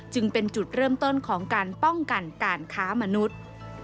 จึงเป็นจุดเริ่มต้นของการป้องกันการค้ามนุษย์